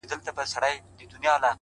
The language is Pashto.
ژمنتیا له خوبه عمل جوړوي.!